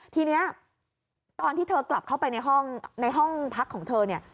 ทีนี้ตอนที่เธอกลับเข้าไปในห้องในห้องพักของเธอเนี่ย